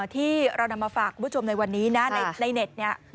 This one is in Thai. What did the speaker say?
ที่เรานำมาฝากคุณผู้ชมในวันนี้นะในเน็ตเนี่ย